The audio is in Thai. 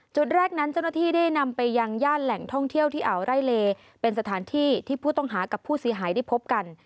จุดแรกนั้นเจ้าหน้าที่ได้นำไปยังย่านแหล่งท่องเที่ยวที่อ่าวไร่เลเป็นสถานที่ที่ผู้ต้องหากับผู้เสียหายได้พบกัน